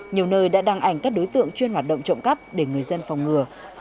nhiều nơi đã đăng ảnh các đối tượng chuyên hoạt động trộm cắp để người dân phòng ngừa